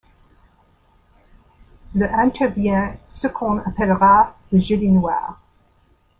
Le intervient ce qu'on appellera le Jeudi noir.